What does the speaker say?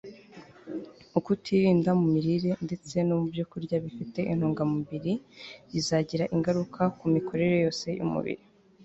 ukutirinda mu mirire, ndetse no ku byokurya bifite intungamubiri, bizagira ingaruka ku mikorere yose y'umubiri